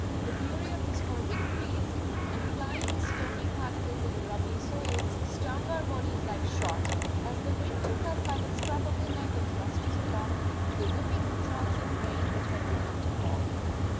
The fury of the storm increased, and flying stony particles of the rubbly soil stung our bodies like shot, as the wind took us by the scruff of the neck and thrust us along, to the whipping of drops of rain which had begun to fall.